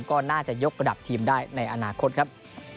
ก็น่าจะยกระดับทีมได้ในอนาคตครับ